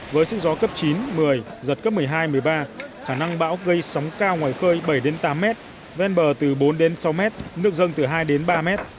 với sức gió cấp chín một mươi giật cấp một mươi hai một mươi ba khả năng bão gây sóng cao ngoài khơi bảy tám m ven bờ từ bốn sáu m nước dâng từ hai ba m